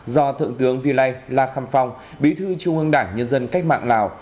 do thượng tướng vy lai la kham phong bí thư trung ương đảng nhân dân cách mạng lào